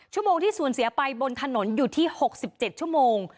ชั่วโมงที่สูญเสียไปบนถนนอยู่ที่๖๗ชั่วโมง